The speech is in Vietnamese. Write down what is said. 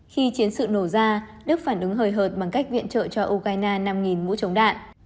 khi chiến sự nổ ra đức phản ứng hời hợt bằng cách viện trợ cho ukraine năm mũi chống đạn